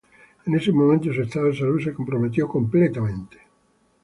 En ese momento su estado de salud se comprometió completamente.